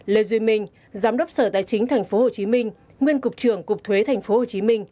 lê duy minh giám đốc sở tài chính tp hcm nguyên cục trưởng cục thuế tp hcm